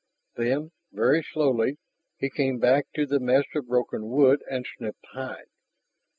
Then, very slowly, he came back to the mess of broken wood and snipped hide.